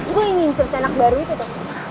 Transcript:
gue ingin celsa anak baru itu